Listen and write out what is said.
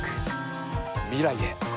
未来へ。